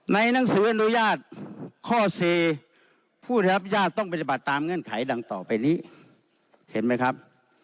หนังสืออนุญาตข้อสี่ผู้ได้รับอนุญาตต้องปฏิบัติตามเงื่อนไขดังต่อไปนี้เห็นไหมครับ